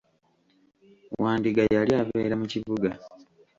Wandiga yali abeera mu kibuga.